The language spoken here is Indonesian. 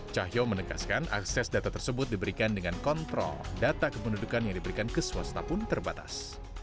cahyo menegaskan akses data tersebut diberikan dengan kontrol data kependudukan yang diberikan ke swasta pun terbatas